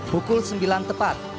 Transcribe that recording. pukul sembilan tepat